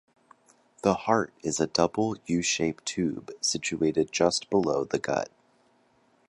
The heart is a double U-shaped tube situated just below the gut.